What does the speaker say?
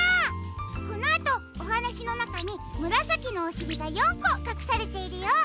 このあとおはなしのなかにむらさきのおしりが４こかくされているよ。